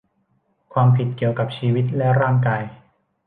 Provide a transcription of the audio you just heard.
ความผิดเกี่ยวกับชีวิตและร่างกาย